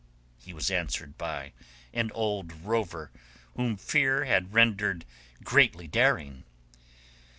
He was answered by an old rover whom fear had rendered greatly daring.